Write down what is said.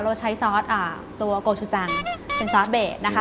เราใช้ซอสตัวโกชุจังเป็นซอสเบสนะคะ